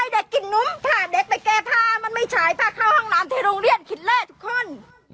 ให้เด็กกินนุ้มถ้าเด็กไปแก่ทามันไม่ใช่ถ้าเข้าห้องน้ำที่โรงเรียน